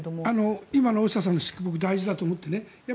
今の大下さんの僕、大事だと思ってね